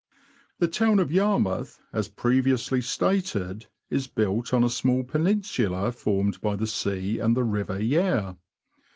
The town of Yarmouth, as previously stated, is built on a small peninsula formed by the sea and the river Yare.